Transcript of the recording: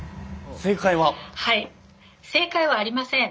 正解はありません。